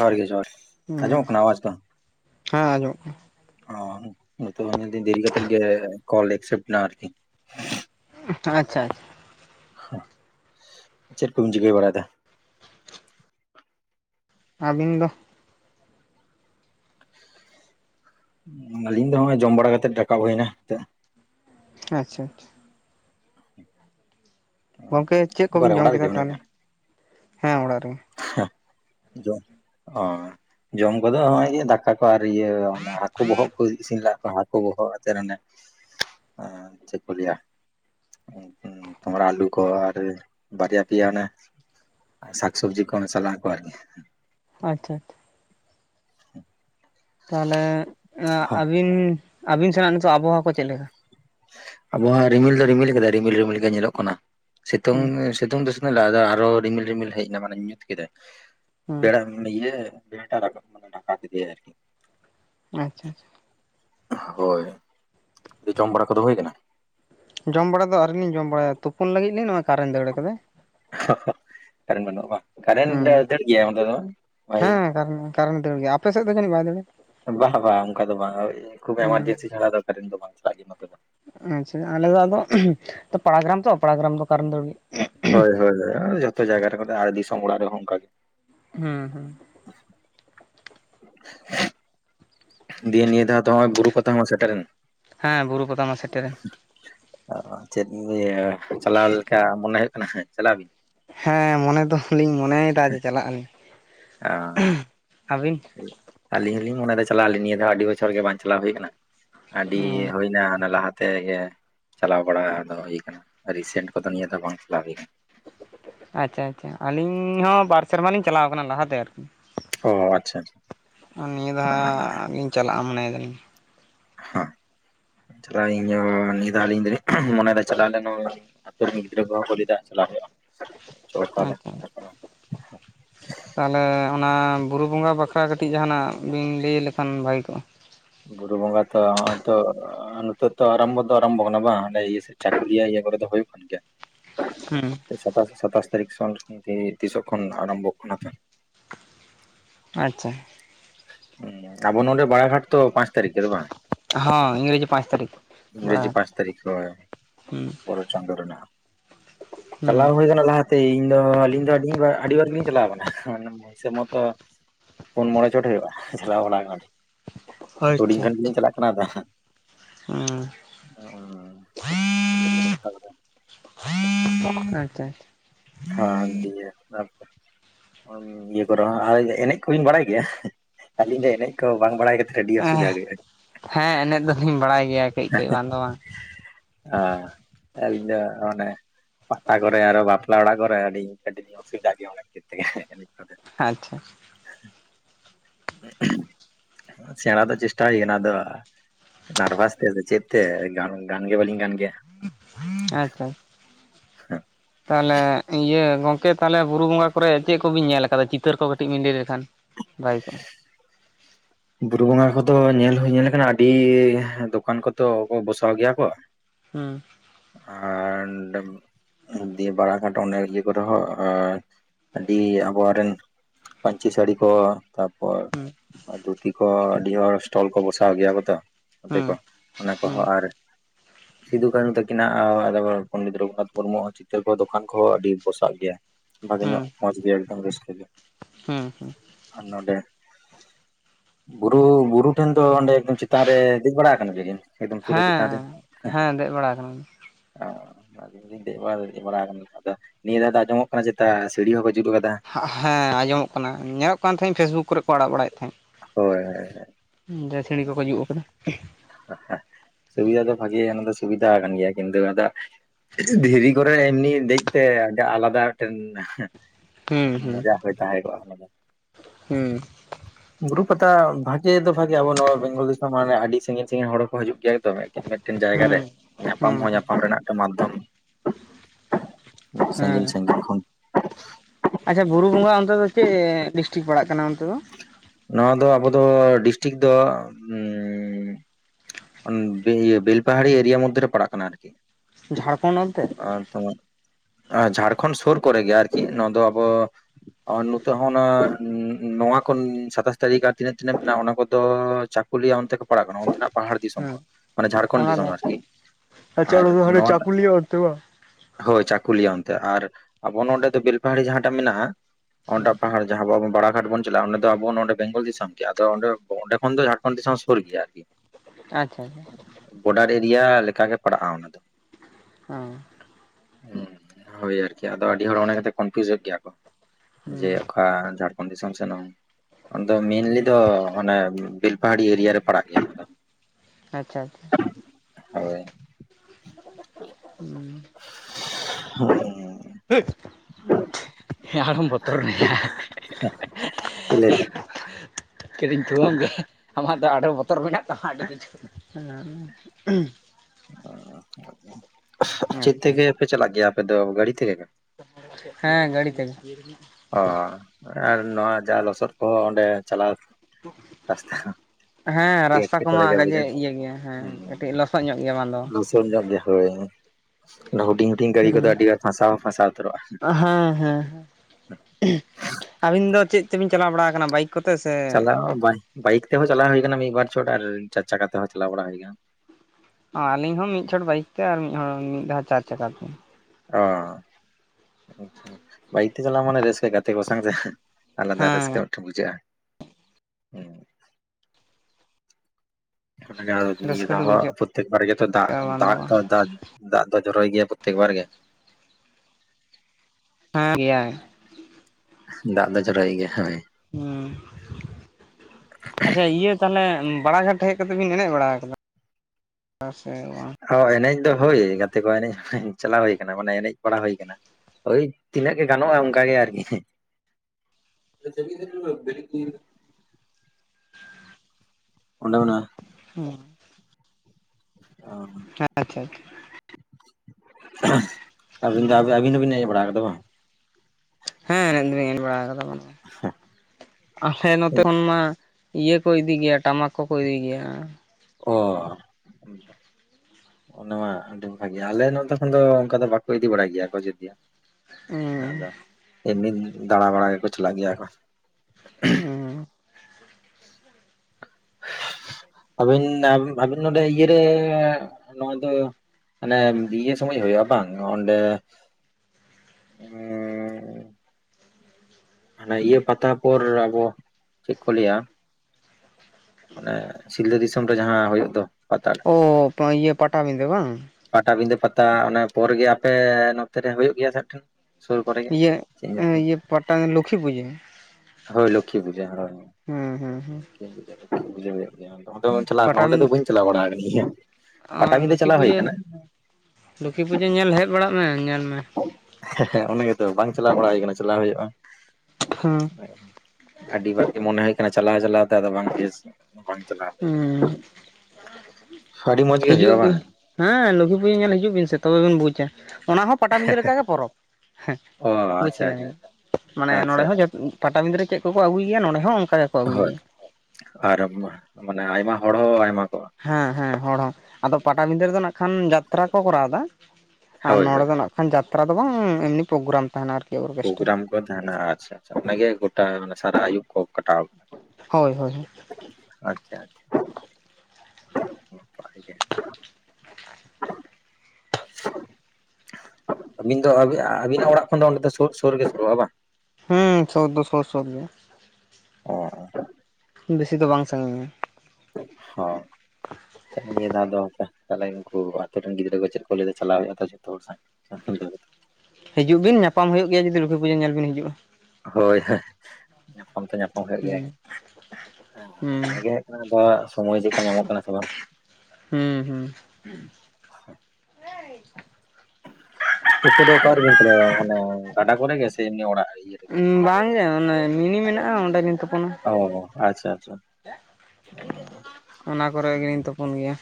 ᱡᱚᱦᱟᱨ ᱜᱮ ᱡᱚᱦᱟᱨ ᱜᱮ ᱟᱡᱚᱢᱚ ᱦᱩᱸ ᱠᱟᱱᱟ ᱟᱣᱟᱡ ᱫᱚ ᱦᱮᱸ ᱟᱸᱡᱚᱢᱚᱜ ᱚ ᱱᱤᱛᱚ ᱦᱚᱸ ᱧᱮᱞ ᱫᱟᱹᱧ ᱫᱮᱨᱤ ᱠᱟᱛᱮ ᱜᱮ ᱠᱚᱞ ᱮᱠᱥᱯᱴ ᱱᱟ ᱟᱨᱠᱤ ᱟᱪᱷᱟ ᱟᱪᱷᱟ ᱪᱮᱫ ᱠᱚᱵᱤᱱ ᱪᱤᱠᱟ ᱜᱟ ᱵᱟᱲᱟᱭ ᱫᱟ ᱟᱵᱤᱱ ᱫᱚ ᱩᱸ ᱟᱞᱤᱧ ᱫᱚ ᱱᱚᱜᱼᱚᱭ ᱡᱚᱢ ᱵᱟᱲᱟ ᱠᱟᱛᱮᱫ ᱰᱟᱠᱟᱵ ᱦᱩᱭ ᱮᱱᱟᱱ ᱟᱪᱷᱟ ᱟᱪᱷᱟ ᱜᱚᱝᱠᱮ ᱪᱮᱫ ᱠᱚᱵᱤᱱ ᱚᱠᱟᱨᱮ ᱡᱚᱢ ᱚᱲᱟᱜ ᱨᱮᱜᱮ ᱠᱮᱫᱟ ᱛᱟᱦᱚᱞᱮ ᱦᱮᱸ ᱚᱲᱟᱜ ᱨᱮ ᱦᱮᱸ ᱡᱚᱢ ᱚ ᱡᱚᱢ ᱠᱚᱫᱚ ᱦᱚᱸᱜᱚᱭ ᱜᱮ ᱫᱟᱠᱟ ᱠᱚ ᱟᱨ ᱤᱭᱟᱹ ᱚᱱᱟ ᱦᱟᱠᱩᱹ ᱵᱚᱦᱚᱜ ᱠᱚ ᱤᱥᱤᱱ ᱞᱮᱫᱟ ᱦᱟᱠᱩᱹ ᱵᱚᱦᱚᱜ ᱟᱛᱮ ᱨᱮᱱᱮ ᱟᱸᱻᱪᱮᱫ ᱠᱚ ᱞᱟᱹᱭᱟ ᱦᱩᱸ ᱦᱩᱸ ᱛᱢᱨᱟ ᱟᱞᱩ ᱠᱚ ᱟᱨ ᱵᱟᱨᱭᱟ ᱯᱮᱭᱟ ᱚᱱᱮ ᱥᱟᱠ ᱥᱚᱵᱡᱤ ᱠᱚ ᱢᱮᱥᱟᱞᱟᱜ ᱠᱚᱶᱟ ᱟᱨᱠᱤ ᱚ ᱟᱪᱪᱷᱟ ᱟᱪᱷᱟ [unintelligible] ᱛᱟᱦᱚᱞᱮ ᱟᱸᱜ ᱟᱹᱵᱤᱱ ᱟᱹᱵᱤᱱ ᱥᱮᱱᱟᱜ ᱱᱤᱛᱚᱜ ᱟᱵᱚ ᱦᱟᱹᱣᱟ ᱠᱚ ᱪᱮᱫ ᱞᱮᱠᱟ ᱟᱵᱚ ᱦᱚᱣᱟᱜ ᱨᱤᱢᱤᱞ ᱫᱚ ᱨᱤᱢᱤᱞ ᱠᱟᱫᱟ ᱨᱤᱢᱤᱞ ᱨᱤᱢᱤᱞ ᱜᱮ ᱧᱮᱞᱚᱜ ᱠᱟᱱᱟ ᱥᱤᱛᱩᱝ ᱦᱩᱸ ᱥᱤᱛᱩᱝ ᱫᱚ ᱟᱫᱟ ᱟᱨᱚ ᱨᱤᱢᱤᱞ ᱨᱤᱢᱤᱞ ᱦᱮᱡ ᱮᱱᱟ ᱢᱟᱱᱮ ᱧᱩᱛ ᱠᱮᱫᱟ ᱦᱩᱸ ᱵᱮᱲᱟ ᱢᱟᱱᱮ ᱤᱭᱮ ᱵᱮᱴ ᱨᱟᱠᱟᱠ ᱠᱮᱫᱮᱭᱟ ᱰᱟᱠᱟ ᱠᱮᱫᱮᱭᱟ ᱟᱨᱠᱤ ᱟᱪᱷᱟ ᱟᱪᱷᱟ ᱦᱳᱭ ᱡᱮ ᱡᱚᱢ ᱵᱟᱲᱟ ᱠᱚᱫᱚ ᱦᱩᱭ ᱟᱠᱟᱱᱟ ᱡᱚᱢ ᱵᱟᱲᱟ ᱫᱚ ᱟᱨᱤ ᱞᱤᱧ ᱡᱚᱢ ᱵᱟᱲᱟᱭᱟ ᱛᱩᱯᱩᱱ ᱞᱟᱹᱜᱤᱫ ᱞᱤᱧ ᱱᱚᱣᱟ ᱠᱟᱨᱮᱱ ᱫᱟᱹᱲ ᱠᱟᱫᱟᱭ ᱦᱚᱜ ᱦᱚᱜ ᱠᱟᱨᱮᱱ ᱵᱟᱱᱩ-ᱟ ᱵᱟᱝ ᱠᱟᱨᱮᱱᱴ ᱦᱩᱸ ᱫᱟᱲᱮ ᱜᱮᱭᱟ ᱚᱱᱛᱮ ᱫᱚ ᱦᱳᱭ ᱦᱮᱸ ᱠᱟᱨᱮᱱ ᱠᱟᱨᱮᱱ ᱫᱟᱹᱲ ᱜᱮᱭᱟ ᱟᱯᱮ ᱥᱮᱫ ᱫᱚ ᱡᱟᱱᱤᱡ ᱵᱟᱭ ᱫᱟᱲᱟ ᱵᱟᱝ ᱵᱟᱝ ᱚᱱᱠᱟ ᱫᱚ ᱵᱟᱝ ᱳᱭ ᱠᱷᱩᱵ ᱮᱢᱟᱨᱡᱮᱱᱥᱤ ᱦᱩᱸ ᱪᱷᱟᱲᱟ ᱫᱚ ᱠᱟᱨᱮᱱ ᱫᱚ ᱵᱟᱝ ᱪᱟᱞᱟᱜ ᱜᱮᱭᱟ ᱱᱚᱛᱮ ᱫᱚ ᱟᱪᱷᱟ ᱟᱞᱮᱫᱚ ᱟᱫᱚ ᱯᱟᱲᱟ ᱜᱮᱨᱟᱢ ᱛᱚ ᱯᱟᱲᱟ ᱜᱮᱨᱟᱢ ᱫᱚ ᱠᱟᱨᱚᱱ ᱫᱟᱲ ᱜᱮᱭᱟ ᱦᱳᱭ ᱦᱳᱭᱳ ᱡᱚᱛᱚ ᱡᱟᱭᱜᱟ ᱨᱮ ᱟᱨ ᱫᱤᱥᱚᱢ ᱚᱲᱟᱜ ᱨᱮᱦᱚᱸ ᱚᱱᱠᱟ ᱜᱮ ᱦᱩᱸ ᱦᱩᱸ [unintelligible] ᱫᱤᱭᱮ ᱱᱤᱭᱟᱹ ᱫᱷᱟᱣ ᱫᱚ ᱱᱚᱜᱚᱭ ᱵᱩᱨᱩ ᱯᱟᱛᱟ ᱦᱚᱸ ᱥᱮᱴᱮᱨᱮᱱ ᱦᱮᱸ ᱵᱩᱨᱩ ᱯᱟᱛᱟ ᱢᱟ ᱥᱮᱴᱮᱨᱮᱱ ᱚ ᱪᱮᱫ ᱤᱭᱟᱹ ᱪᱟᱞᱟᱣ ᱞᱮᱠᱟ ᱢᱚᱱᱮ ᱦᱩᱭᱩᱜ ᱠᱟᱱᱟ ᱪᱟᱞᱟᱜ ᱟᱵᱤᱱ ᱦᱮᱸ ᱢᱚᱱᱮ ᱫᱚ ᱞᱤᱧ ᱢᱚᱱᱮᱭᱮᱫᱟ ᱡᱮ ᱪᱟᱞᱟᱜ ᱟᱹᱞᱤᱧ ᱟᱹᱻᱻ ᱟᱹᱵᱤᱱ ᱟᱹᱞᱤᱧ ᱦᱚᱞᱤᱧ ᱢᱚᱱᱮᱭᱮᱫᱟ ᱪᱟᱞᱟᱜ ᱟᱞᱤᱧ ᱱᱤᱭᱟᱹ ᱫᱷᱟᱣ ᱟᱹᱰᱤ ᱵᱚᱪᱷᱚᱨ ᱜᱮ ᱵᱟᱝ ᱪᱟᱞᱟᱣ ᱦᱳᱭ ᱠᱟᱱᱟ ᱟᱹᱰᱤ ᱦᱩᱸ ᱦᱩᱭᱱᱟ ᱦᱟᱱᱮ ᱞᱟᱦᱟᱛᱮ ᱜᱮ ᱪᱟᱞᱟᱣ ᱵᱟᱲᱟ ᱫᱚ ᱦᱩᱭ ᱟᱠᱟᱱᱟ ᱨᱤᱥᱮᱱᱴ ᱠᱚᱫᱚ ᱱᱤᱭᱟᱹ ᱫᱷᱟᱣ ᱵᱟᱝ ᱪᱟᱞᱟᱣ ᱦᱩᱭ ᱟᱠᱟᱱᱟ ᱟᱪᱪᱷᱟ ᱟᱪᱪᱷᱟ ᱟᱹᱞᱤᱧ ᱦᱚᱸ ᱵᱟᱨ ᱥᱮᱨᱢᱟ ᱞᱤᱧ ᱪᱟᱞᱟᱣ ᱠᱟᱱᱟ ᱞᱟᱦᱟᱛᱮ ᱟᱨᱠᱤ ᱚ ᱟᱪᱪᱷᱟ ᱟᱪᱪᱷᱟ ᱱᱤᱭᱟᱹ ᱫᱷᱟᱣ ᱟᱸᱜ ᱞᱤᱧ ᱪᱟᱞᱟᱜᱼᱟ ᱢᱚᱱᱮ ᱫᱟᱞᱤᱧ ᱦᱟᱸ ᱪᱟᱞᱟᱜ ᱤᱧ ᱱᱤᱭᱟᱹ ᱫᱷᱟᱣ ᱟᱞᱤᱧ ᱫᱚ ᱞᱤᱧ ᱢᱚᱱᱮ ᱫᱟ ᱪᱟᱞᱟᱜ ᱟ ᱱᱚ ᱟᱛᱳ ᱨᱮᱱ ᱜᱤᱫᱽᱨᱟᱹ ᱜᱚᱦᱚᱸ ᱠᱚ ᱞᱟᱹᱭᱫᱟ ᱪᱟᱞᱟᱜᱣ ᱦᱩᱭᱩᱜᱼᱟ ᱪᱚ ᱦᱩᱸ ᱛᱟᱦᱚᱞᱮ ᱛᱚ ᱛᱟᱦᱚᱞᱮ ᱚᱱᱟ ᱵᱩᱨᱩ ᱵᱚᱸᱜᱟ ᱵᱟᱠᱷᱨᱟ ᱠᱟᱹᱴᱤᱡ ᱡᱟᱦᱟᱱᱟᱜ ᱵᱤᱱ ᱞᱟᱹᱭ ᱞᱮᱠᱷᱟᱱ ᱵᱷᱟᱜᱤ ᱠᱚᱜᱼᱟ ᱵᱩᱨᱩ ᱵᱚᱸᱜᱟ ᱛᱚ ᱦᱚᱜᱚᱭ ᱛᱚ ᱚᱻ ᱱᱚᱛᱮ ᱛᱚ ᱟᱨᱟᱢᱵᱚ ᱫᱚ ᱟᱨᱟᱢᱵᱚ ᱠᱟᱱᱟ ᱵᱟᱝ ᱦᱟᱸᱰᱮ ᱤᱭᱟᱹ ᱥᱮᱫ ᱤᱭᱟᱹ ᱠᱚᱨᱮ ᱫᱚ ᱦᱩᱭᱩᱜ ᱠᱟᱱ ᱜᱮᱭᱟ ᱦᱩᱸ ᱥᱟᱛᱟᱥ ᱥᱟᱛᱟᱥ ᱛᱟᱨᱤᱠᱷ ᱠᱷᱚᱱ ᱛᱤ ᱥᱚᱜ ᱠᱷᱚᱱ ᱟᱨᱟᱢᱵᱷ ᱠᱟᱱᱟ ᱛᱚ ᱟᱪᱪᱷᱟ ᱩᱸ ᱟᱵᱚ ᱱᱚᱰᱮ ᱵᱟᱲᱟ ᱜᱷᱟᱴ ᱛᱚ ᱯᱟᱸᱪ ᱛᱟᱨᱤᱠᱷᱮ ᱵᱟᱝ ᱦᱚᱸ ᱤᱝᱨᱮᱡᱤ ᱯᱟᱸᱪ ᱛᱟᱹᱨᱤᱠᱷ ᱤᱝᱨᱮᱡᱤ ᱵᱟᱲᱟ ᱯᱟᱸᱪ ᱛᱟᱨᱤᱠᱷ ᱦᱚᱭ ᱦᱩᱸ ᱾ ᱯᱚᱨᱮᱨ ᱪᱟᱸᱫᱳ ᱨᱮᱱᱟᱜ, ᱪᱟᱞᱟᱣ ᱦᱩᱸ ᱦᱩᱭ ᱟᱠᱟᱱᱟ ᱞᱟᱦᱟ ᱛᱮ ᱤᱧ ᱫᱚ ᱟᱹᱞᱤᱧ ᱫᱚ ᱟᱹᱰᱤ ᱟᱹᱰᱤ ᱵᱟᱨ ᱜᱮᱞᱤᱧ ᱪᱟᱞᱟᱣ ᱠᱟᱱᱟ, ᱦᱤᱥᱟᱹᱵ ᱢᱚᱛᱚ ᱯᱩᱱ ᱢᱚᱬᱮ ᱪᱷᱚᱴ ᱦᱩᱭᱩᱜᱼᱟ᱾ ᱪᱟᱞᱟᱣ ᱵᱟᱲᱟ ᱠᱟᱱᱟᱞᱤᱧ ᱦᱩᱰᱤᱧ ᱟᱪᱪᱷᱟ ᱠᱷᱚᱱ ᱟᱪᱪᱷᱟ ᱜᱮᱞᱤᱧ ᱪᱟᱞᱟᱜ ᱠᱟᱱᱟ ᱛᱚ ᱦᱩᱸ ᱾ [unintelligible] ᱟᱪᱪᱷᱟ ᱦᱮᱸ ᱫᱤᱭᱮ ᱛᱟᱯᱚᱨᱮ ᱤᱭᱟᱹ ᱠᱚᱨᱮ ᱦᱚᱸ ᱮᱱᱮᱡ ᱠᱚᱵᱤᱱ ᱵᱟᱲᱟᱭ ᱜᱮᱭᱟ? ᱟᱹᱞᱤᱧ ᱫᱚ ᱮᱱᱮᱡ ᱠᱚ ᱵᱟᱝ ᱵᱟᱲᱟᱭ ᱠᱟᱛᱮ ᱦᱮᱸ ᱮᱱᱮᱡ ᱫᱚᱞᱤᱧ ᱵᱟᱲᱟᱭ ᱜᱮᱭᱟ, ᱠᱟᱹᱡ ᱠᱟᱹᱡ ᱵᱟᱝ ᱫᱚ ᱵᱟᱝ ᱚ ᱟᱞᱤᱧ ᱫᱚ ᱚᱱᱮ ᱯᱟᱛᱟ ᱠᱚᱨᱮ ᱟᱨᱚ ᱵᱟᱯᱞᱟ ᱚᱲᱟᱜ ᱠᱚᱨᱮ ᱟᱹᱰᱤ ᱠᱟᱹᱴᱤᱡ ᱚᱥᱩᱵᱤᱫᱷᱟ ᱜᱮᱭᱟ᱾ ᱛᱮᱜᱮ [inaudible] ᱟᱪᱪᱷᱟ ᱟᱪᱪᱷᱟ ᱾ [unintelligible] ᱥᱮᱬᱟ ᱫᱚ ᱪᱮᱥᱴᱟ ᱦᱩᱭ ᱠᱟᱱᱟ ᱫᱚ ᱱᱟᱨᱵᱷᱟᱥ ᱛᱮ ᱪᱮᱫ ᱛᱮ ᱜᱟᱱ ᱜᱟᱱ ᱜᱮ ᱵᱟᱞᱤᱧ ᱜᱟᱱ ᱜᱮᱭᱟ᱾ ᱟᱪᱪᱷᱟ ᱾ ᱛᱟᱦᱚᱞᱮ ᱤᱭᱟᱹ ᱜᱚᱝ ᱠᱮ ᱛᱟᱦᱚᱞᱮ ᱵᱩᱨᱩ ᱵᱚᱸᱜᱟ ᱠᱚᱨᱮ ᱪᱮᱫ ᱠᱚᱵᱤᱱ ᱧᱮᱞ ᱟᱠᱟᱫᱟ? ᱪᱤᱛᱟᱹᱨ ᱠᱚ ᱠᱟᱹᱴᱤᱡ ᱵᱤᱱ ᱞᱟᱹᱭ ᱞᱮᱠᱷᱟᱱ ᱵᱷᱟᱜᱮ ᱠᱚᱜᱼᱟ᱾ [unintelligible] ᱵᱩᱨᱩ ᱵᱚᱸᱜᱟ ᱠᱚᱫᱚ ᱧᱮᱞ ᱦᱩᱭ ᱧᱮᱞ ᱠᱟᱱᱟ, ᱟᱹᱰᱤ ᱫᱚᱠᱟᱱ ᱠᱚᱛᱚ ᱵᱚᱥᱟᱣ ᱜᱮᱭᱟ ᱠᱚ ᱦᱩᱸ᱾ [unintelligible] ᱫᱤᱭᱮ ᱵᱟᱲᱟ ᱜᱷᱟᱸᱴ ᱚᱱᱟ ᱤᱭᱟᱹ ᱠᱚᱨᱮ ᱦᱚᱸ ᱟᱹᱰᱤ ᱟᱵᱚ ᱨᱮᱱ ᱯᱟᱹᱧᱪᱤ ᱥᱟᱹᱲᱤ ᱠᱚ, ᱛᱟᱯᱚᱨ ᱦᱩᱸ ᱫᱷᱩᱛᱤ ᱠᱚ ᱟᱹᱰᱤ ᱦᱚᱲ ᱥᱴᱚᱞ ᱠᱚ ᱵᱚᱥᱟᱣ ᱜᱮᱭᱟ ᱠᱚ ᱛᱚ᱾ [inaudible] ᱦᱩᱸ ᱠᱚ ᱚᱱᱟ ᱠᱚᱦᱚᱸ ᱦᱩᱸ ᱟᱨ ᱥᱤᱫᱩ ᱠᱟᱹᱱᱩ ᱛᱟ ᱠᱤᱱᱟᱜ ᱟᱻ ᱟᱫᱚ ᱵᱚᱨᱚ ᱯᱚᱱᱰᱤᱛ ᱨᱚᱜᱷᱩᱱᱟᱛᱷ ᱢᱩᱨᱢᱩᱣᱟᱜ ᱪᱤᱛᱟᱹᱨ ᱠᱚᱦᱚᱸ ᱫᱚᱠᱟᱱ ᱠᱚᱦᱚᱸ ᱟᱹᱰᱤ ᱵᱚᱥᱟᱜ ᱜᱮᱭᱟ, ᱵᱷᱟᱜᱮ ᱧᱚᱜ ᱦᱩᱸ ᱢᱚᱡᱽ ᱜᱮ ᱮᱠᱫᱚᱢ ᱨᱟᱹᱥᱠᱟᱹ ᱜᱮ ᱾ ᱦᱩᱸ ᱦᱩᱸ ᱾ ᱟᱨ ᱱᱚᱰᱮ ᱵᱩᱨᱩ ᱵᱩᱨᱩ ᱴᱷᱮᱱ ᱫᱚ ᱚᱸᱰᱮ ᱪᱮᱛᱟᱱ ᱨᱮ, ᱫᱮᱡ ᱵᱟᱲᱟ ᱟᱠᱟᱱᱟ ᱵᱮᱱ, ᱮᱠᱫᱚᱢ ᱯᱩᱨᱟᱹ ᱪᱮᱛᱟᱱ ᱨᱮ? ᱦᱮᱸ ᱦᱮᱸ ᱫᱮᱡ ᱵᱟᱲᱟ ᱠᱟᱱᱟᱹᱧ᱾ ᱟᱞᱤᱧᱞᱤᱧ ᱫᱮᱡ ᱵᱟᱲᱟ ᱫᱩᱞᱤᱧ ᱫᱮᱡ ᱵᱟᱲᱟ ᱠᱟᱱ ᱜᱮᱭᱟ, ᱟᱫᱚ ᱱᱤᱭᱟᱹ ᱫᱷᱟᱣ ᱫᱚ ᱟᱸᱡᱚᱢᱚᱜ ᱠᱟᱱᱟ ᱪᱮᱛᱟ ᱥᱤᱲᱤ ᱦᱚᱸᱠᱚ ᱡᱩᱛ ᱠᱟᱫᱟ? ᱦᱟᱸᱜ ᱦᱮᱸ ᱟᱸᱡᱚᱢᱚᱜ ᱠᱟᱱᱟ, ᱧᱮᱞᱚᱜ ᱠᱟᱱ ᱛᱟᱦᱮᱸᱧ ᱯᱷᱮᱥᱵᱩᱠ ᱠᱚᱨᱮ ᱠᱚ ᱟᱲᱟᱜ ᱵᱟᱲᱟᱭᱮᱫ ᱛᱟᱦᱮᱸᱫ ᱾ ᱦᱳᱭ ᱦᱳᱭ᱾ ᱡᱮ ᱥᱤᱸᱲᱤ ᱠᱚᱠᱚ ᱡᱩᱛ ᱠᱟᱫᱟ᱾ [inaudible] ᱥᱩᱵᱤᱫᱟ ᱫᱚ ᱵᱷᱟᱜᱮ ᱚᱱᱟ ᱫᱚ ᱥᱩᱵᱤᱫᱟ ᱠᱟᱱ ᱜᱮᱭᱟ, ᱠᱤᱱᱛᱩ ᱚᱱᱟ ᱫᱚ ᱠᱚᱨᱮ ᱮᱢᱱᱤ ᱫᱮᱡ ᱛᱮ ᱡᱟ ᱟᱞᱟᱫᱟ ᱢᱤᱫᱴᱮᱱ ᱢᱚᱡᱟ ᱦᱩᱭ ᱛᱟᱦᱮᱸ ᱠᱚᱜᱼᱟ, ᱚᱱᱟ ᱫᱚ ᱦᱮᱸ ᱾ ᱵᱩᱨᱩ ᱯᱟᱛᱟ ᱵᱷᱟᱜᱮ ᱫᱚ, ᱵᱷᱟᱜᱮᱭᱟ ᱟᱵᱚ ᱱᱚᱣᱟ ᱵᱮᱝᱜᱚᱞ ᱫᱤᱥᱚᱢ ᱢᱟᱱᱮ ᱟᱹᱰᱤ ᱥᱟᱺᱜᱤᱧ ᱥᱟᱺᱜᱤᱧ ᱦᱚᱲ ᱦᱚᱸᱠᱚ ᱦᱤᱡᱩᱜ ᱜᱮᱭᱟ᱾ ᱛᱚ ᱢᱮᱫᱴᱤᱱ ᱡᱟᱭᱜᱟ ᱦᱩᱸ ᱨᱮ ᱧᱟᱯᱟᱢ ᱦᱩᱸ ᱦᱚᱸ ᱦᱩᱸ ᱧᱟᱯᱟᱢ ᱨᱮᱱᱟᱜ ᱴᱮᱱ ᱢᱟᱫᱫᱷᱚᱢ ᱥᱟᱸᱜᱤᱱ ᱦᱮᱸ ᱥᱟᱸᱜᱤᱱ ᱠᱷᱚᱱ ᱟᱪᱪᱷᱟ ᱵᱩᱨᱩ ᱵᱚᱸᱜᱟ ᱚᱱᱛᱮ ᱫᱚ ᱪᱮᱫ ᱰᱤᱥᱴᱤᱠ ᱯᱟᱲᱟᱜ ᱠᱟᱱᱟ ᱚᱱᱛᱮ ᱫᱚ? ᱱᱚᱣᱟ ᱫᱚ ᱟᱵᱚ ᱫᱚ ᱰᱤᱥᱴᱤᱠ ᱫᱚ ᱵᱮ ᱤᱛᱟᱹ ᱵᱮᱞᱯᱟᱦᱟᱲᱤ ᱮᱨᱤᱭᱟ ᱢᱚᱫᱫᱷᱮ ᱨᱮ ᱯᱟᱲᱟᱜ ᱠᱟᱱᱟ ᱟᱨᱠᱤ ᱡᱷᱟᱨᱠᱷᱚᱱᱰ ᱚᱱᱛᱮ? [unintelligible] ᱡᱷᱟᱲᱠᱷᱚᱱᱰ ᱥᱩᱨ ᱠᱚᱨᱮ ᱜᱮ ᱟᱨᱠᱤ ᱱᱚᱣᱟ ᱫᱚ ᱟᱵᱚ ᱱᱩᱛᱚᱜ ᱦᱚᱸ ᱚᱱᱟ ᱱᱚᱣᱟ ᱠᱷᱚᱱ ᱥᱟᱛᱟᱥ ᱛᱟᱹᱨᱤᱠᱷ ᱟᱨ ᱛᱤᱱᱟᱹᱜ ᱛᱤᱱᱟᱹᱜ ᱢᱮᱱᱟᱜᱼᱟ, ᱚᱱᱟ ᱠᱚᱫᱚ ᱪᱟᱹᱠᱩᱞᱭᱟ ᱚᱱᱛᱮ ᱠᱚ ᱯᱟᱲᱟᱜ ᱠᱟᱱᱟ᱾ ᱚᱱᱛᱮ ᱱᱟᱜ ᱯᱟᱦᱟᱲ ᱫᱤᱥᱚᱢ ᱦᱮᱸ ᱠᱚ, ᱢᱟᱱᱮ ᱡᱷᱟᱲᱠᱷᱚᱱ ᱚᱱᱟ ᱫᱤᱥᱚᱢ ᱫᱚ ᱟᱨᱠᱤ ᱟᱪᱪᱷᱟ ᱟᱨ ᱚᱱᱟ ᱫᱚ ᱦᱟᱱᱮ ᱱᱚᱭᱟ ᱴᱟᱜ ᱪᱟᱹᱠᱩᱞᱤᱭᱟᱹ ᱚᱱᱛᱮ ᱵᱟᱝ ᱦᱳᱭ ᱪᱟᱹᱠᱩᱞᱤᱭᱟᱹ ᱚᱱᱛᱮ ᱟᱨ ᱟᱵᱚ ᱱᱚᱰᱮ ᱫᱚ ᱵᱮᱞᱯᱟᱦᱟᱲᱤ ᱡᱟᱦᱟᱸ ᱴᱷᱮᱱ ᱢᱮᱱᱟᱜᱼᱟ, ᱚᱱᱰᱮ ᱦᱩᱸ ᱯᱟᱦᱟᱲ ᱡᱟᱦᱟᱸ ᱵᱟᱵᱚᱱ ᱵᱟᱲᱟᱭ ᱦᱟᱴ ᱵᱚᱱ ᱪᱟᱞᱟᱜᱼᱟ ᱚᱸᱰᱮ ᱫᱚ ᱟᱵᱚ ᱱᱚᱰᱮ ᱵᱮᱝᱜᱚᱞ ᱫᱤᱥᱚᱢ ᱜᱮ᱾ ᱟᱫᱚ ᱚᱸᱰᱮ ᱠᱷᱚᱱ ᱫᱚ ᱡᱷᱟᱲᱠᱷᱚᱸᱰ ᱫᱤᱥᱚᱢ ᱥᱳᱨ ᱜᱮᱭᱟ ᱟᱨᱠᱤ᱾ ᱟᱪᱪᱷᱟ ᱟᱪᱪᱷᱟ ᱵᱚᱰᱟᱨ ᱮᱨᱤᱭᱟ ᱞᱮᱠᱟ ᱜᱮ ᱯᱟᱲᱟᱜᱼᱟ, ᱚᱱᱟ ᱫᱚ ᱚᱸ ᱦᱮᱸ ᱦᱳᱭ ᱟᱹᱨᱠᱤ ᱟᱫᱚ ᱟᱹᱰᱤ ᱦᱚᱲ ᱚᱱᱮ ᱠᱟᱛᱮ ᱠᱚᱱᱯᱷᱤᱭᱩᱡᱼᱚᱜ ᱜᱮᱭᱟ ᱠᱚ᱾ ᱦᱩᱸ ᱡᱮ ᱚᱠᱟ ᱡᱷᱟᱲᱠᱷᱚᱱ ᱫᱤᱥᱚᱢ ᱥᱮᱫ ᱦᱚᱸ ᱟᱫᱚ ᱢᱮᱱᱞᱤ ᱦᱩᱸ ᱫᱚ ᱢᱟᱱᱮ ᱵᱮᱞᱯᱟᱦᱟᱲᱤ ᱮᱨᱤᱭᱟ ᱨᱮ ᱯᱟᱲᱟᱜ ᱜᱮᱭᱟ᱾ ᱟᱪᱪᱷᱟ ᱟᱪᱪᱷᱟ ᱦᱳᱭ ᱦᱩᱸ [unintelligible] ᱦᱟᱲᱚᱢ ᱵᱚᱛᱩᱨᱮᱱᱟᱭᱟ᱾ ᱠᱤᱫᱤᱧ ᱜᱮ ᱟᱢᱟᱜ ᱫᱚ ᱟᱹᱰᱤ ᱜᱮ ᱵᱚᱛᱚᱨ ᱢᱮᱱᱟᱜ ᱛᱟᱢᱟ᱾ ᱟᱹᱰᱤ ᱠᱤᱪᱷᱩ ᱦᱮᱸ᱾ [unintelligible] ᱪᱮᱫ ᱟᱪᱪᱷᱟ ᱛᱮᱜᱮ ᱟᱪᱪᱷᱟ ᱯᱮ ᱪᱟᱞᱟᱜ ᱜᱮᱭᱟ᱾ ᱟᱯᱮ ᱫᱚ ᱜᱟᱹᱲᱤ ᱛᱮᱜᱮ? ᱦᱮᱸ ᱜᱟᱹᱰᱤ ᱛᱮᱜᱮ᱾ ᱚ ᱟᱨ ᱱᱚᱣᱟ ᱡᱟᱸᱦᱟ ᱞᱚᱥᱚᱫ ᱠᱚᱦᱚᱸ ᱚᱸᱰᱮ ᱪᱟᱞᱟᱣ ᱨᱟᱥᱛᱟ [unintelligible] ᱦᱮᱸ ᱟᱹᱰᱤ ᱨᱟᱥᱛᱟ ᱮᱴᱠᱮᱴᱚᱬᱮ ᱠᱚᱢᱟ ᱜᱮᱭᱟ ᱜᱟᱡᱮ ᱵᱩᱡᱷᱟᱹᱣ ᱤᱭᱟᱹ ᱜᱮᱭᱟ᱾ ᱦᱮᱸ ᱦᱩᱸ ᱠᱟᱹᱴᱤᱡ ᱞᱚᱥᱚᱫ ᱧᱚᱜ ᱜᱮᱭᱟ ᱵᱟᱝ ᱫᱚ ᱵᱟᱝ᱾ [unintelligible] ᱜᱮᱭᱟ ᱦᱳᱭ᱾ ᱦᱩᱰᱤᱧ ᱦᱩᱰᱤᱧ ᱜᱟᱲᱤ ᱠᱚᱫᱚ ᱟᱹᱰᱤ ᱟᱸᱴ ᱯᱷᱟᱸᱥᱟᱣ ᱦᱚᱸ ᱯᱷᱟᱸᱥᱟᱣ ᱩᱛᱟᱹᱨᱚᱜᱼᱟ᱾ ᱦᱮᱸ ᱦᱮᱸ ᱦᱮᱸ᱾ ᱟᱹᱵᱤᱱ ᱫᱚ ᱪᱮᱫ ᱛᱮᱵᱤᱱ ᱪᱟᱞᱟᱣ ᱵᱟᱲᱟ ᱠᱟᱱᱟ ᱵᱟᱭᱤᱠ ᱠᱚᱛᱮ ᱥᱮ ᱪᱟᱞᱟᱣ ᱵᱟᱭ ᱵᱟᱭᱤᱠ ᱛᱮᱦᱚᱸ ᱪᱟᱞᱟᱣ ᱦᱩᱭ ᱠᱟᱱᱟ, ᱢᱤᱫ ᱵᱟᱨ ᱪᱚᱴ ᱟᱨ ᱪᱟᱨ ᱪᱟᱠᱟ ᱛᱮᱦᱚᱸ ᱪᱟᱞᱟᱣ ᱵᱟᱲᱟ ᱦᱩᱭ ᱠᱟᱱᱟ᱾ ᱚ ᱟᱹᱞᱤᱧ ᱦᱚᱸ ᱢᱤᱫ ᱪᱚᱲ ᱵᱟᱭᱤᱠ ᱛᱮ ᱟᱨ ᱢᱤᱫ ᱦᱚᱲ ᱢᱤᱫ ᱫᱷᱟᱣ ᱪᱟᱨ ᱪᱟᱠᱟ ᱛᱮ᱾ ᱚ ᱟᱪᱪᱷᱟ, ᱵᱟᱭᱤᱠ ᱛᱮ ᱪᱟᱞᱟᱣ ᱢᱟᱱᱮ ᱨᱟᱹᱥᱠᱟᱹ ᱜᱟᱛᱮ ᱠᱚᱥᱟᱝ ᱛᱮ᱾ ᱟᱞᱟᱫᱟ ᱦᱮᱸ ᱨᱟᱹᱥᱠᱟᱹ ᱢᱤᱫᱴᱟᱝ ᱵᱩᱡᱷᱟᱹᱜᱼᱟ᱾ ᱦᱩᱸ ᱚᱱᱟ ᱜᱮ ᱟᱫᱚ ᱱᱤᱭᱟ ᱨᱟᱹᱥᱠᱟᱹ ᱫᱷᱟᱣ ᱫᱚ ᱦᱚᱸ ᱵᱩᱡᱷᱟᱹᱜᱼᱟ ᱯᱨᱚᱛᱛᱮᱠ ᱵᱟᱨ ᱜᱮ ᱛᱚ, ᱫᱟᱜ ᱵᱟᱝ ᱫᱚ ᱫᱟᱜ ᱵᱟᱝ ᱛᱚᱭ ᱫᱟᱜ ᱫᱟᱜ ᱫᱚ ᱡᱚᱨᱚᱭ ᱜᱮᱭᱟ, ᱯᱨᱚᱛᱛᱮᱠ ᱵᱟᱨ ᱜᱮ᱾ ᱦᱮᱸ ᱜᱮᱭᱟ᱾ ᱫᱟᱜ ᱫᱚ ᱡᱚᱨᱟᱭ ᱜᱮᱭᱟ, ᱦᱳᱭ᱾ ᱦᱩᱸ ᱟᱪᱪᱷᱟ ᱤᱭᱟᱹ ᱛᱟᱦᱚᱞᱮ ᱵᱟᱲᱟ ᱜᱷᱟᱴ ᱦᱮᱡ ᱠᱟᱛᱮ ᱵᱤᱱ ᱮᱱᱮᱡ ᱵᱟᱲᱟ ᱠᱟᱫᱟ? ᱪᱮᱫᱟᱜ ᱥᱮ ᱵᱟᱝ᱾ ᱚ ᱮᱱᱮᱡ ᱫᱚ ᱦᱩᱭ ᱜᱟᱛᱮ ᱠᱚ ᱮᱱᱮᱡ ᱚ ᱥᱟᱳ ᱪᱟᱞᱟ ᱦᱩᱭ ᱠᱟᱱᱟ᱾ ᱢᱟᱱᱮ ᱮᱱᱮᱡ ᱵᱟᱲᱟ ᱦᱩᱭ ᱠᱟᱱᱟ᱾ ᱳᱭ ᱛᱤᱱᱟᱹᱜ ᱜᱮ ᱜᱟᱱᱚᱜᱼᱟ, ᱚᱱᱠᱟᱟ ᱜᱮ ᱟᱨᱠᱤ᱾ [unintelligible] ᱵᱮᱤᱞ [unintelligible] ᱚᱸᱱᱮ ᱚᱱᱟ ᱦᱩᱸ ᱚᱸ ᱦᱮᱸ ᱟᱪᱪᱷᱟ ᱟᱪᱪᱷᱟ ᱟᱵᱤᱱ ᱫᱚ ᱟᱵᱤᱱ ᱦᱚᱸᱵᱮᱱ ᱮᱱᱮᱡ ᱵᱟᱲᱟ ᱠᱟᱫᱟ ᱵᱟᱝ? ᱦᱮᱸ ᱮᱱᱮᱡ ᱵᱟᱲᱟ ᱮᱢᱚᱲ ᱫᱚ᱾ ᱵᱟᱲᱟ ᱠᱟᱫᱟ ᱢᱟᱱᱮ ᱟᱞᱮ ᱱᱚᱛᱮ ᱠᱷᱚᱱ ᱢᱟ᱾ ᱤᱭᱟᱹ ᱠᱚ ᱤᱫᱤ ᱜᱮᱭᱟ᱾ ᱴᱟᱢᱟᱠ ᱠᱚᱠᱚ ᱤᱫᱤ ᱜᱮᱭᱟ᱾ ᱚ ᱚᱱᱟ ᱢᱟ ᱟᱹᱰᱤ ᱵᱷᱟᱹᱜᱤ ᱜᱮᱭᱟ᱾ ᱟᱞᱮ ᱱᱚᱛᱮ ᱠᱷᱚᱱ ᱫᱚ ᱚᱱᱠᱟ ᱫᱚ ᱵᱟᱠᱚ ᱤᱫᱤ ᱵᱟᱲᱟᱭ ᱜᱮᱭᱟ ᱠᱚ ᱡᱚᱛᱚ ᱫᱤᱭᱟ᱾ ᱦᱮᱸ ᱟᱫᱚ ᱮᱢᱱᱤ ᱫᱟᱬᱟ ᱵᱟᱲᱟᱟ ᱜᱮᱠᱚ ᱪᱟᱞᱟᱜ ᱜᱮᱭᱟ ᱠᱚ᱾ ᱦᱩᱸ [inaudible] ᱟᱹᱵᱤᱱ ᱟᱹᱵᱤᱱ ᱵᱟᱵᱤᱱ ᱱᱚᱰᱮ ᱤᱭᱟᱹᱨᱮ ᱱᱚᱣᱟ ᱫᱚ᱾ ᱢᱟᱱᱮ ᱤᱭᱟᱹ ᱥᱚᱢᱚᱭ ᱦᱩᱭᱳᱜᱼᱟ ᱵᱟᱝ ᱚᱸᱰᱮ ᱮᱸᱻ ᱦᱟᱱᱮ ᱤᱭᱟᱹ ᱯᱟᱛᱟ ᱯᱚᱨ ᱟᱵᱚ ᱪᱮᱫ ᱠᱚ ᱞᱟᱹᱭᱟ ᱚᱱᱮ ᱥᱤᱞᱫᱟᱹ ᱫᱤᱥᱚᱢ ᱨᱮ ᱡᱟᱦᱟᱸ ᱦᱩᱭᱳᱜ ᱫᱚ ᱯᱟᱛᱟ ᱚᱻ ᱤᱭᱟᱹ ᱯᱟᱴᱟᱵᱤᱸᱫᱟᱹ ᱵᱟᱝ ᱯᱟᱴᱟᱵᱤᱸᱫᱟᱹ ᱯᱟᱛᱟ ᱚᱱᱟ ᱯᱚᱨ ᱜᱮ ᱟᱯᱮ ᱱᱚᱛᱮ ᱨᱮ ᱦᱩᱭᱩᱜ ᱜᱮᱭᱟ ᱥᱮ ᱴᱷᱮᱱ, ᱤᱭᱟᱹ ᱤᱭᱟᱹ ᱯᱟᱴᱟ ᱵᱤᱸ ᱞᱩᱠᱠᱷᱤ ᱯᱩᱡᱟᱹ ᱦᱳᱭ ᱞᱚᱠᱠᱷᱤ ᱯᱩᱡᱟ ᱦᱳᱭ, ᱦᱩᱸ ᱦᱩᱸ ᱦᱩᱸ ᱟᱹᱣ ᱵᱩᱡᱷᱟᱹᱣᱮᱫ ᱜᱮᱭᱟ ᱪᱟᱞᱟᱣ ᱠᱟᱱᱟ ᱚᱸᱰᱮ ᱫᱚ ᱯᱟᱴᱟᱵᱤᱸᱫᱟᱹ ᱵᱟᱹᱧ ᱪᱟᱞᱟᱣ ᱵᱟᱲᱟ ᱠᱟᱱᱜᱤᱭᱟᱹ ᱯᱟᱴᱟᱵᱤᱸᱫᱟᱹ ᱞᱚᱠᱠᱷᱤ ᱪᱟᱞᱟᱣ ᱦᱳᱭ ᱯᱩᱡᱟᱹ ᱠᱟᱱᱟ, ᱞᱚᱠᱠᱷᱤ ᱯᱩᱡᱟᱹ ᱧᱮᱞ ᱦᱮᱡ ᱵᱟᱲᱟᱜ ᱢᱮ ᱧᱮᱞ ᱢᱮ ᱦᱮ ᱦᱮ ᱚᱱᱮ ᱜᱮᱛᱚ ᱵᱟᱝ ᱪᱟᱞᱟᱣ ᱵᱟᱲ ᱦᱩᱭ ᱠᱟᱱᱟ ᱪᱟᱞᱟᱣ ᱦᱩᱭᱩᱜᱼᱟ, ᱦᱩᱸ ᱟᱹᱰᱤ ᱵᱟᱨ ᱜᱮ ᱢᱚᱱᱮ ᱦᱩᱭ ᱠᱟᱱᱟ ᱪᱟᱞᱟᱣ ᱪᱟᱞᱟᱣ ᱛᱮ ᱟᱫᱚ ᱵᱟᱝ ᱪᱮᱥ ᱵᱟᱝ ᱪᱟᱞᱟᱣ ᱦᱩᱭ ᱠᱟᱱᱟ, ᱦᱩᱸ ᱟᱹᱰᱤ ᱢᱚᱡ ᱜᱮ ᱦᱳᱭᱳᱜ-ᱟ ᱦᱤᱡᱩᱜ ᱵᱤᱱ ᱵᱟᱝ ᱦᱮᱸ ᱞᱚᱠᱠᱷᱤ ᱯᱩᱡᱟᱹ ᱧᱮᱞ ᱦᱤᱡᱩᱜ ᱵᱤᱱ ᱥᱮ ᱛᱚᱵᱮ ᱵᱤᱱ ᱵᱩᱡᱟ ᱚᱱᱟ ᱦᱚᱸ ᱯᱟᱴᱟᱵᱤᱸᱫᱟᱹ ᱞᱮᱠᱟᱜᱮ ᱯᱚᱨᱚᱵᱽ ᱦᱮᱸ ᱚ ᱵᱩᱡ ᱟᱪᱪᱷᱟ ᱠᱮᱫᱟ ᱟᱪᱪᱷᱟ ᱵᱤᱱ ᱢᱟᱱᱮ ᱱᱚᱰᱮ ᱟᱪᱪᱷᱟ ᱦᱚᱸ ᱟᱪᱪᱷᱟ ᱡᱷᱚᱛᱚ ᱯᱟᱴᱟᱵᱤᱸᱫᱟᱹ ᱨᱮ ᱪᱮᱫ ᱠᱚ ᱠᱚ ᱟᱹᱜᱩᱭᱭᱟ ᱜᱮᱭᱟ ᱱᱚᱸᱰᱮ ᱦᱚᱸ ᱚᱱᱠᱟ ᱜᱮᱠᱚ ᱟᱹᱜᱩᱭ ᱦᱳᱭ ᱜᱮᱭᱟ ᱟᱨ ᱢᱟ ᱢᱚᱱᱮ ᱟᱭᱢᱟ ᱦᱚᱲ ᱦᱚᱸ ᱟᱭᱢᱟ ᱠᱚᱣᱟ ᱦᱮᱸ ᱦᱮᱸ ᱦᱚᱲ ᱦᱚᱸ ᱟᱫᱚ ᱯᱟᱴᱟᱵᱤᱫᱟᱹ ᱨᱮᱫᱚ ᱱᱟᱜ ᱠᱷᱟᱱ ᱡᱟᱛᱨᱟ ᱠᱚ ᱠᱚᱨᱟᱣ ᱫᱟ ᱟᱨ ᱦᱳᱭ ᱱᱚᱰᱮ ᱦᱳᱭ ᱫᱚ ᱱᱟᱜ ᱟᱱ ᱡᱟᱛᱨᱟ ᱫᱚ ᱵᱟᱝ ᱮᱢᱱᱤ ᱯᱨᱳᱜᱨᱟᱢ ᱛᱟᱦᱮᱱᱟ ᱟᱨᱠᱤ, ᱚᱨᱠᱮᱥᱴᱟᱨ ᱯᱨᱳᱜᱨᱟᱢ ᱠᱚ ᱛᱟᱦᱮᱸᱱᱟ ᱟᱪᱪᱷᱟ ᱟᱪᱪᱷᱟ ᱚᱱᱟᱜ ᱜᱮ ᱜᱚᱴᱟ ᱥᱟᱨᱟ ᱟᱭᱩᱵ ᱠᱚ ᱠᱟᱴᱟᱣ ᱦᱳᱭ ᱦᱳᱭ ᱦᱳᱭ ᱟᱪᱪᱷᱟ ᱟᱪᱪᱷᱟ ᱱᱟᱯᱟᱭ ᱜᱮ ᱟᱹᱵᱤᱱ ᱫᱚ ᱟᱹᱵᱤᱱᱟᱜ ᱚᱲᱟᱜ ᱠᱷᱚᱱ ᱫᱚ ᱚᱸᱰᱮ ᱫᱚ ᱥᱳᱨ ᱥᱳᱨ ᱜᱮ ᱥᱩᱨᱚᱜᱼᱟ ᱵᱟᱝ ᱦᱩᱸ ᱥᱳᱨ ᱫᱚ ᱥᱳᱨ ᱜᱮᱭᱟ᱾ ᱚ ᱵᱤᱥᱤ ᱫᱚ ᱵᱟᱝ ᱥᱟᱺᱟᱜᱤᱧᱟ ᱦᱚ ᱪᱮᱫ ᱱᱤᱭᱟᱹ ᱫᱷᱟᱳ ᱫᱚ ᱛᱟᱦᱞᱮ ᱩᱱᱠᱩ ᱟᱛᱳ ᱨᱮᱱ ᱜᱤᱫᱽᱨᱟᱹ ᱠᱚ ᱪᱮᱫ ᱠᱚ ᱞᱟᱹᱭ ᱫᱟ ᱪᱟᱞᱟᱣ ᱦᱩᱭᱩᱜᱼᱟ ᱛᱚ ᱡᱚᱛᱚ ᱦᱚᱲ ᱥᱟᱶ ᱟ [unintelligible] ᱦᱤᱡᱩᱜ ᱵᱤᱱ ᱧᱟᱢ ᱦᱩᱭᱩᱜ ᱜᱮᱭᱟ ᱡᱩᱫᱤ ᱞᱩᱠᱠᱷᱤ ᱯᱩᱡᱟᱹ ᱧᱮᱞ ᱵᱤᱱ ᱦᱤᱡᱼᱟ ᱦᱳᱭ ᱦᱳᱭ ᱧᱟᱯᱟᱢ ᱛᱚ ᱧᱟᱯᱟᱢ ᱦᱩᱭᱩᱜ ᱜᱮᱭᱟ ᱦᱩᱸ ᱦᱩᱸ ᱚᱱᱟᱜᱮ, ᱟᱫᱚ ᱦᱟᱸᱜ ᱥᱳᱢᱳᱭ ᱪᱮᱫᱠᱟ ᱧᱟᱢᱚᱜ ᱠᱟᱱᱟ ᱥᱮ ᱵᱟᱝ? ᱦᱮᱸ ᱦᱩᱸ ᱛᱩᱯᱩ ᱫᱚ ᱚᱠᱟᱨᱮ ᱵᱤᱱ ᱠᱚᱨᱟᱣ-ᱟ ᱢᱟᱱᱮ ᱜᱟᱰᱟ ᱠᱚᱨᱮ ᱜᱮ ᱥᱮ ᱮᱢᱱᱤ ᱚᱲᱟᱜ ᱤᱭᱟ ᱵᱟᱝ ᱜᱮ ᱚᱱᱮ ᱢᱤᱱᱤ ᱢᱮᱱᱟᱜᱼᱟ ᱚᱸᱰᱮ ᱜᱮᱧ ᱛᱩᱯᱩᱱᱟ᱾ ᱚ ᱟᱪᱪᱷᱟ ᱟᱪᱪᱷᱟ ᱚᱱᱟ ᱠᱚᱨᱮ ᱜᱮᱞᱤᱧ ᱛᱩᱯᱩᱱ ᱜᱮᱭᱟ,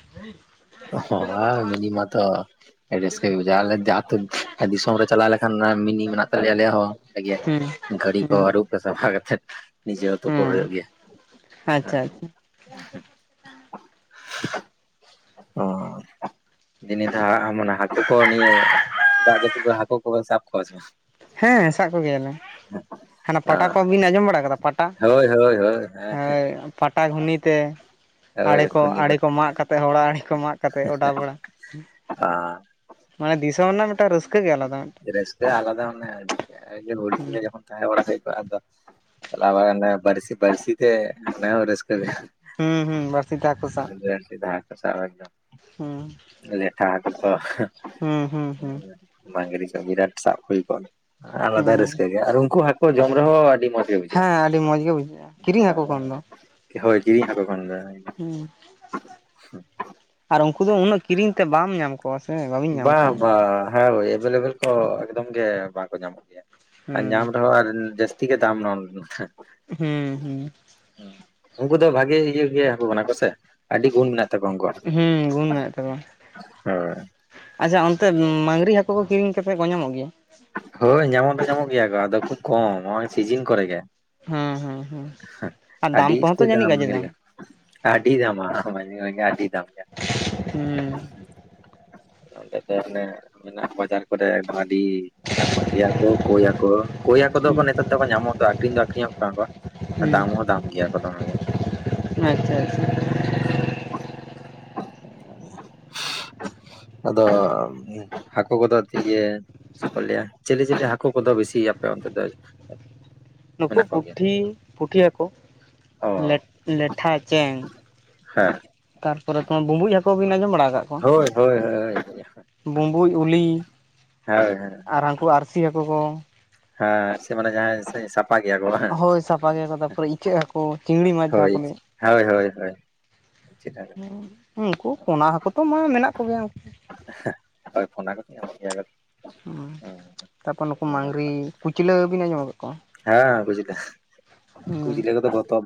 ᱦᱚᱸ ᱢᱤᱱᱤ ᱢᱟᱛᱚ ᱨᱟᱹᱥᱠᱟᱹ ᱜᱮ ᱵᱩᱡᱟᱹ ᱟᱞᱮ ᱟᱹᱛᱩ ᱫᱤᱥᱚᱢ ᱨᱮ ᱪᱟᱞᱟᱜ ᱞᱮᱠᱷᱟᱱ [inaudible] ᱢᱤᱱᱤ ᱢᱮᱱᱟᱜ ᱛᱟᱞᱮᱭᱟ ᱟᱞᱮ ᱦᱚᱸ ᱦᱩᱸ ᱜᱟᱹᱰᱤ ᱠᱚ ᱦᱩᱸ ᱟᱹᱩᱵ ᱥᱟᱯᱷᱟ ᱠᱟᱛᱮ ᱱᱤᱡᱮ ᱦᱚᱸ ᱛᱩᱯᱩ ᱦᱩᱸ ᱦᱩᱭᱩᱜ ᱜᱮᱭᱟ, ᱟᱪᱪᱷᱟ ᱟᱪᱪᱷᱟ [inaudible] ᱚᱻ ᱡᱤᱱᱤ ᱛᱮᱦᱚᱸ ᱟᱢ ᱚᱱᱟ ᱦᱟᱠᱩ ᱠᱚ ᱱᱤᱭᱟᱹ ᱫᱟᱜ ᱡᱟᱹᱯᱩᱫ ᱦᱟᱠᱩ ᱠᱚ ᱵᱮᱱ ᱥᱟᱵ ᱠᱚᱣᱟ ᱥᱮ ᱵᱟᱝ, ᱦᱮᱸ ᱥᱟᱵ ᱠᱚᱜᱮᱭᱟᱞᱮ ᱦᱟᱱᱟ ᱯᱟᱴᱟ ᱵᱟᱝ ᱠᱚᱵᱤᱱ ᱟᱸᱡᱚᱢ ᱵᱟᱲᱟ ᱠᱟᱫᱟ ᱯᱟᱴᱟ, ᱦᱳᱭ ᱦᱳᱭ ᱦᱮᱸ ᱦᱳᱭ ᱯᱟᱴᱟ ᱜᱷᱩᱱᱤ ᱛᱮ ᱦᱳᱭ ᱟᱲᱮ ᱠᱚ ᱜᱷᱩᱱᱤ ᱟᱲᱮ ᱠᱚ ᱠᱚᱛᱮ ᱢᱟᱜ ᱠᱟᱛᱮᱫ ᱦᱚᱲᱟᱜ ᱟᱲᱮ ᱠᱚ ᱢᱟᱜ ᱠᱟᱛᱮᱫ ᱚᱰᱟ ᱵᱟᱲᱟ ᱟᱫᱚ ᱢᱟᱱᱮ ᱫᱤᱥᱚᱢ ᱨᱮᱱᱟᱜ ᱢᱤᱫᱴᱟᱝ ᱨᱟᱹᱥᱠᱟᱹ ᱜᱮ ᱟᱞᱟᱫᱟ ᱢᱤᱫᱴᱟᱝ ᱨᱟᱹᱥᱠᱟᱹ ᱟᱞᱟᱫᱟ ᱢᱟᱱᱮ ᱦᱩᱸ [unintelligible] ᱛᱟᱦᱮᱸ ᱵᱟᱲᱟ ᱦᱩᱭᱠᱚᱜ-ᱟ ᱫᱚ ᱪᱟᱞᱟᱣ ᱵᱟᱲᱟ ᱱᱮ ᱵᱟᱹᱨᱥᱤ ᱵᱟᱹᱨᱥᱤ ᱛᱮ ᱮᱱᱟ ᱦᱚᱸ ᱨᱟᱹᱥᱠᱟᱹ ᱦᱩᱸ ᱦᱩᱸ ᱵᱟᱹᱲᱥᱤᱛᱮ ᱦᱟᱹᱠᱩ ᱥᱟᱵ ᱦᱩᱸ [unintelligible] ᱞᱮᱴᱷᱟ ᱦᱟᱠᱩ ᱛᱚ ᱦᱩᱸ ᱦᱩᱸ ᱦᱩᱸ ᱢᱟᱹᱝᱜᱨᱤ [unintelligible] ᱥᱟᱵ ᱦᱩᱭ ᱠᱚᱜᱼᱟ ᱟᱞᱟᱫᱟ ᱦᱩᱸ ᱨᱟᱹᱥᱠᱟᱹ ᱜᱮ ᱟᱨ ᱩᱱᱠᱩ ᱦᱟᱹᱠᱩ ᱡᱚᱢ ᱨᱮᱦᱚᱸ ᱟᱹᱰᱤ ᱢᱚᱸᱡᱽ ᱜᱮ ᱦᱮᱸ ᱟᱹᱰᱤ ᱢᱚᱸᱡ ᱜᱮ ᱵᱩᱡᱷᱟᱹᱜᱼᱟ ᱠᱤᱨᱤᱧ ᱦᱟᱹᱠᱩ ᱠᱷᱚᱱ ᱵᱩᱡᱷᱟᱹᱜᱼᱟ ᱫᱚ ᱦᱳᱭ ᱡᱤᱨᱤᱧ ᱦᱟᱠᱳ ᱠᱷᱚᱱ ᱫᱚ ᱦᱮᱸ ᱟᱨ ᱩᱱᱠᱩ ᱫᱚ ᱩᱱᱟᱹᱜ ᱠᱤᱨᱤᱧ ᱛᱮ ᱵᱟᱢ ᱧᱟᱢ ᱠᱚᱣᱟ ᱥᱮ ᱵᱟᱹᱵᱤᱱ ᱧᱟᱢ ᱵᱟ ᱠᱚᱣᱟ ᱵᱟ ᱦᱮᱸ ᱦᱳᱭ ᱮᱵᱮᱞᱮᱵᱮᱞ ᱠᱚ ᱮᱠᱫᱚᱢ ᱜᱮ ᱵᱟᱝᱠᱚ ᱧᱟᱢᱚᱜ ᱜᱮᱭᱟ ᱟᱨ ᱦᱩᱸ ᱧᱟᱢ ᱨᱮᱦᱚᱸ ᱟᱨ ᱡᱟᱹᱥᱛᱤ ᱜᱮ ᱫᱟᱢ ᱱᱚᱱᱛᱷᱮ ᱦᱩᱸ ᱦᱩᱸ ᱩᱱᱠᱩ ᱫᱚ ᱵᱷᱟᱜᱤ ᱤᱭᱟᱹ ᱜᱮ ᱦᱟᱠᱩ ᱠᱟᱱᱟ ᱠᱚᱥᱮ ᱟᱹᱰᱤ ᱜᱩᱱ ᱢᱮᱱᱟᱜ ᱛᱟᱠᱚᱣᱟ ᱩᱱᱠᱩᱣᱟᱜ ᱦᱩᱸ ᱜᱩᱱ ᱢᱮᱱᱮᱜ ᱛᱟᱠᱚᱭᱟ ᱦᱳᱭ ᱟᱪᱪᱷᱟ ᱚᱱᱛᱮ ᱢᱟᱸᱝᱜᱨᱤ ᱦᱟᱹᱠᱩ ᱠᱚ ᱠᱤᱨᱤᱧ ᱠᱟᱛᱮᱜ ᱠᱚ ᱧᱟᱢᱚᱜ ᱜᱮᱭᱟ ᱦᱳᱭ ᱧᱟᱢᱚᱜ ᱫᱚ ᱧᱟᱢᱚᱜ ᱜᱮᱭᱟ ᱠᱚ ᱟᱫᱚ ᱠᱷᱩᱵ ᱠᱚᱢ ᱱᱚᱜᱼᱚᱭ ᱥᱤᱡᱤᱱ ᱠᱚᱨᱮ ᱜᱮ ᱦᱮᱸ ᱦᱮᱸ ᱦᱮᱸ ᱟᱨ ᱟᱹᱰᱤ ᱫᱟᱢ ᱠᱚᱦᱚᱸ ᱛᱚ ᱤᱥᱛᱟᱹᱨ ᱡᱟᱹᱱᱤᱡ ᱫᱟᱢ ᱜᱟᱡᱮ ᱟᱹᱰᱤ ᱫᱟᱢᱟ [unintelligible] ᱟᱹᱰᱤ ᱫᱟᱢ ᱜᱮᱭᱟ ᱦᱩᱸ ᱚᱸᱰᱮ ᱫᱚ ᱦᱟᱱᱮ ᱢᱮᱱᱟᱜ ᱵᱟᱡᱟᱨ ᱠᱚᱨᱮ ᱟᱹᱰᱤ [unintelligible] ᱢᱟᱹᱝᱜᱨᱤ ᱦᱟᱠᱳ ᱠᱳᱭ ᱦᱟᱠᱳ ᱠᱳᱭ ᱦᱟᱠᱳ ᱠᱚᱫᱚ ᱦᱩᱸ ᱱᱮᱛᱟᱨ ᱫᱚᱠᱚ ᱧᱟᱢᱚᱜ ᱫᱚ ᱟᱠᱷᱨᱤᱧ ᱫᱚ ᱟᱠᱷᱨᱤᱧᱚᱜ ᱠᱟᱱᱟ ᱠᱚ ᱦᱩᱸ ᱫᱟᱢ ᱦᱚᱸ ᱫᱟᱢ ᱜᱮᱭᱟ ᱠᱚ ᱫᱚᱢ ᱜᱮ ᱟᱪᱪᱷᱟ ᱟᱪᱪᱷᱟ [unintelligible] ᱟᱫᱚ ᱦᱟᱠᱳ ᱠᱚᱫᱚ ᱤᱭᱟᱹ ᱪᱮᱫ ᱠᱚ ᱞᱟᱹᱭᱟ ᱪᱤᱞᱤ ᱪᱤᱞᱤ ᱦᱟᱠᱳ ᱠᱚᱫᱚ ᱵᱤᱥᱤ ᱟᱯᱮ ᱚᱱᱛᱮ ᱫᱚ ᱱᱩᱠᱩ ᱢᱮᱱᱟᱜ ᱠᱚᱜᱮᱭᱟ ᱯᱩᱴᱷᱤ ᱯᱩᱴᱷᱤ ᱦᱟᱠᱳ ᱚ ᱞᱮ ᱞᱮᱴᱷᱟ ᱪᱮᱸᱝ ᱦᱮᱸ ᱛᱟᱨᱯᱚᱨᱮ ᱠᱚᱸ ᱵᱩᱸᱵᱩᱡ ᱦᱟᱠ- ᱠᱚ ᱵᱤᱱ ᱟᱸᱡᱚᱢ ᱵᱟᱲᱟ ᱠᱟᱜ ᱠᱚᱣᱟ ᱦᱳᱭ ᱦᱳᱭ ᱦᱳᱭ ᱵᱩᱸᱵᱩᱡ ᱩᱞᱤ ᱦᱳᱭ ᱟᱨ ᱦᱟᱹᱱᱠᱩ ᱟᱨᱥᱤ ᱦᱟᱠᱩ ᱠᱚ ᱦᱮᱸ ᱥᱮ ᱢᱟᱱᱮ ᱡᱟᱦᱟᱸ ᱥᱮ ᱥᱟᱵ- [unintelligible] ᱜᱮᱭᱟ ᱠᱚ ᱵᱟᱝ ᱦᱳᱭ ᱥᱟᱯᱷᱟ ᱜᱮᱭᱟᱠᱚ ᱛᱟᱯᱚᱨᱮ ᱤᱪᱟᱹᱜ ᱦᱟᱠᱳ ᱪᱤᱝᱲᱤ ᱢᱟᱪ ᱡᱟᱦᱟᱸ ᱦᱳᱭ ᱠᱚ ᱞᱟᱹᱭᱟ ᱦᱳᱭ ᱦᱳᱭ ᱦᱳᱭ ᱦᱩ ᱩᱱᱠᱩ ᱯᱚᱱᱟ ᱦᱟᱹᱠᱩ ᱠᱚ ᱢᱟ ᱢᱮᱱᱟᱜ ᱠᱚᱜᱮᱭᱟ ᱩᱱᱠᱩ ᱦᱳᱭ ᱯᱚᱱᱟ ᱠᱚ ᱧᱟᱢᱟᱜ ᱜᱤᱭᱟ ᱠᱚ ᱛᱟᱯᱚᱨ ᱱᱩᱠᱩ ᱢᱟᱝᱜᱨᱤ ᱠᱩᱪᱞᱟᱹ ᱵᱤᱱ ᱟᱸᱡᱚᱢ ᱟᱠᱟᱜ ᱠᱚᱣᱟ ᱦᱮᱸ ᱵᱩᱡ ᱠᱩᱪᱞᱟᱹ ᱦᱩᱸ? ᱠᱩᱪᱞᱟᱹ ᱠᱚᱫᱚ ᱵᱚᱛᱚᱨ